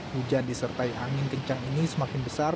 hujan disertai angin kencang ini semakin besar